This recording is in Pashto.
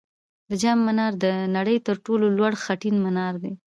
د جام منار د نړۍ تر ټولو لوړ خټین منار دی